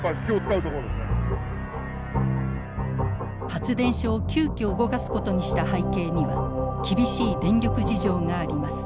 発電所を急きょ動かすことにした背景には厳しい電力事情があります。